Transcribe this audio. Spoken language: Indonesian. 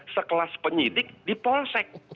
sekelas penyidik di polsek